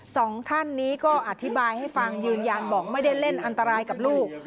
สองท่านนี้ก็อธิบายให้ฟังยืนยันบอกไม่ได้เล่นอันตรายกับลูก